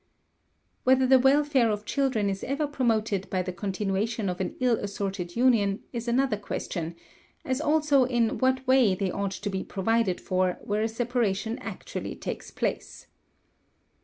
"Whether the welfare of children is ever promoted by the continuation of an ill assorted union, is another question; as also in what way they ought to be provided for, where a separation actually takes place.